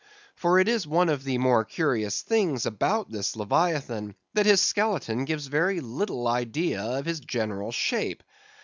For it is one of the more curious things about this Leviathan, that his skeleton gives very little idea of his general shape.